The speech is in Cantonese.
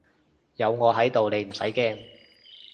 有我喺度你唔使驚